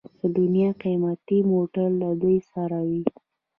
د دنیا قیمتي موټر له دوی سره وي.